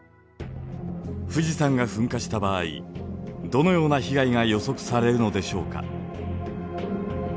富士山が噴火した場合どのような被害が予測されるのでしょうか。